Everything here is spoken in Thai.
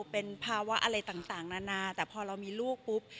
เป็นภาวะอะไรต่างนานาแต่พอเรามีลูกปุ๊บ